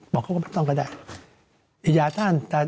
บอกเขาก็ไม่ต้องกระแดด